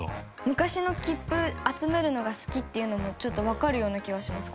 昔の切符集めるのが好きっていうのもちょっとわかるような気がします。